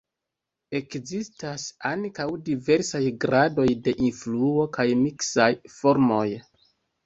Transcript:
Ekzistas ankaŭ diversaj gradoj de influo kaj miksaj formoj.